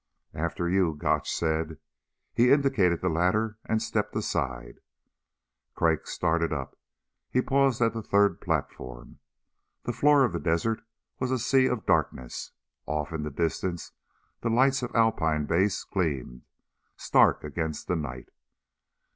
"After you," Gotch said. He indicated the ladder and stepped aside. Crag started up. He paused at the third platform. The floor of the desert was a sea of darkness. Off in the distance the lights of Alpine Base gleamed, stark against the night.